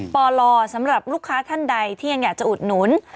ปลสำหรับลูกค้าท่านใดที่ยังอยากจะอุดหนุน